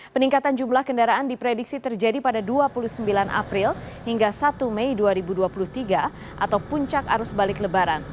peningkatan jumlah kendaraan diprediksi terjadi pada dua puluh sembilan april hingga satu mei dua ribu dua puluh tiga atau puncak arus balik lebaran